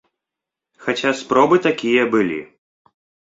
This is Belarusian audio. Хаця спробы такія былі.